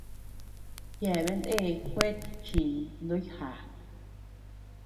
Yeabean ndea kueta chini ndoyo jaa.